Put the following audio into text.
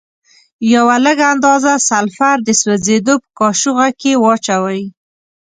یوه لږه اندازه سلفر د سوځیدو په قاشوغه کې واچوئ.